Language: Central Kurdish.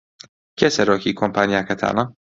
کێ سەرۆکی کۆمپانیاکەتانە؟